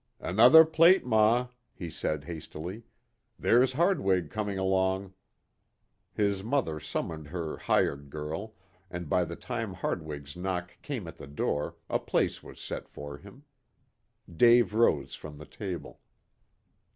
"Another plate, ma," he said hastily. "There's Hardwig coming along." His mother summoned her "hired" girl, and by the time Hardwig's knock came at the door a place was set for him. Dave rose from the table.